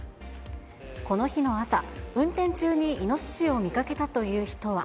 この日の朝、運転中にイノシシを見かけたという人は。